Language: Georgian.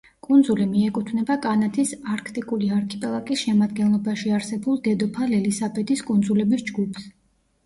კუნძული მეკუთვნება კანადის არქტიკული არქიპელაგის შემადგენლობაში არსებულ დედოფალ ელისაბედის კუნძულების ჯგუფს.